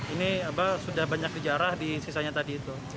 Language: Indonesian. ini sudah banyak kejarah di sisanya tadi itu